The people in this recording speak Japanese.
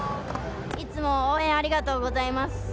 いつも応援ありがとうございます。